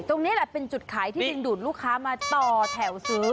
ตรงนี้แหละเป็นจุดขายที่ดึงดูดลูกค้ามาต่อแถวซื้อ